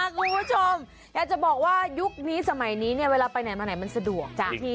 คุณผู้ชมอยากจะบอกว่ายุคนี้สมัยนี้เนี่ยเวลาไปไหนมาไหนมันสะดวก